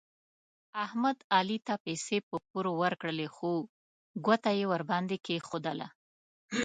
احمد علي ته پیسې په پور ورکړلې خو ګوته یې ور باندې کېښودله.